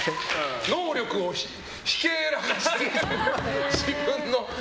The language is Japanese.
能力をひけらかして、自分の。